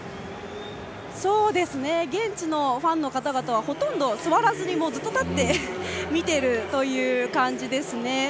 現地のファンの方々はほとんど座らずにずっと立って見ている感じです。